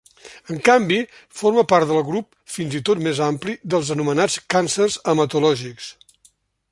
En canvi, forma part del grup, fins i tot més ampli, dels anomenats càncers hematològics.